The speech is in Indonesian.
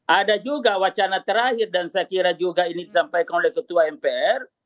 ada juga wacana terakhir dan saya kira juga ini disampaikan oleh ketua mpr